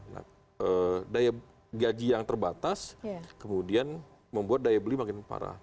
nah gaji yang terbatas kemudian membuat daya beli makin parah